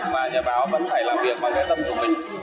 và nhà báo vẫn phải làm việc bằng cái tâm của mình